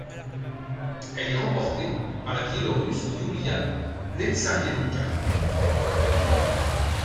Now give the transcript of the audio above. Elle est remportée par la Biélorusse Yulia Nestsiarenka.